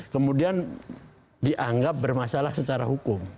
kemudian dianggap bermasalah secara hukum